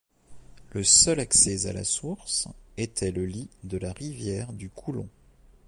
Le seul accès à la source était le lit de la rivière du Coulomp.